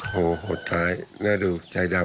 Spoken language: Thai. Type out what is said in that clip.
โหดร้ายน่าดูใจดำ